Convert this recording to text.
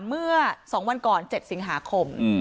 เมื่อ๒วันก่อน๗สิงหาคม